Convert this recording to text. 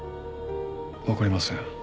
わかりません。